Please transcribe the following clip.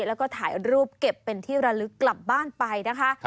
แล้วก็ถ่ายรูปเก็บเป็นที่ระลึกกลับบ้านไปนะคะ